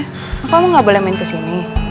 kok kamu gak boleh main kesini